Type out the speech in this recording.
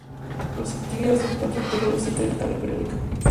Los actínidos se encuentran en el periodo siete de la tabla periódica.